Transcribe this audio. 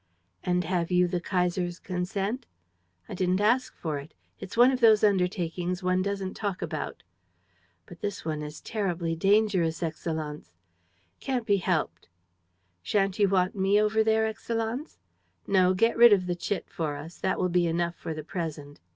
"And have you the Kaiser's consent?" "I didn't ask for it. It's one of those undertakings one doesn't talk about." "But this one is terribly dangerous, Excellenz." "Can't be helped." "Sha'n't you want me over there, Excellenz?" "No. Get rid of the chit for us. That will be enough for the present.